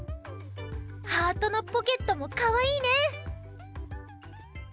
ハートのポケットもかわいいね！